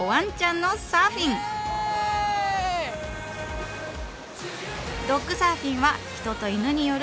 ドッグサーフィンは人と犬によるチームスポーツ。